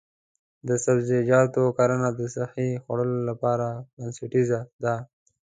د سبزیجاتو کرنه د صحي خوړو لپاره بنسټیزه ده.